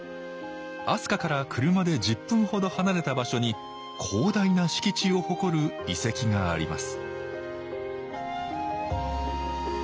飛鳥から車で１０分ほど離れた場所に広大な敷地を誇る遺跡があります